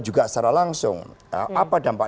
juga secara langsung apa dampak